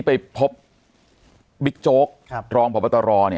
ปากกับภาคภูมิ